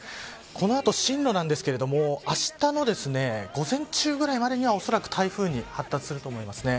このあと進路なんですけれどもあしたの午前中ぐらいまでにはおそらく台風に発達すると思います。